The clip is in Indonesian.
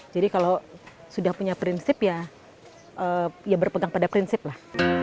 jadi kalau sudah punya prinsip ya berpegang pada prinsip lah